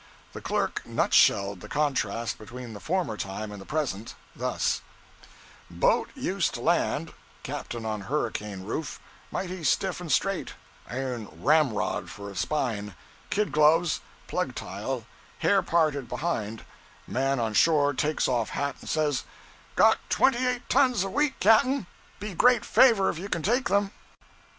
The clerk nut shelled the contrast between the former time and the present, thus 'Boat used to land captain on hurricane roof mighty stiff and straight iron ramrod for a spine kid gloves, plug tile, hair parted behind man on shore takes off hat and says '"Got twenty eight tons of wheat, cap'n be great favor if you can take them."